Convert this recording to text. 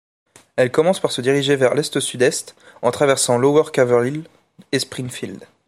Elle commence par se diriger vers l'est-sud-est en traversant Lower Caverhill et Springfield.